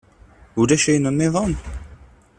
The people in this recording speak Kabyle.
Ulac ayen-nniḍen?